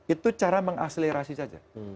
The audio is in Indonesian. itu cara mengakselerasi saja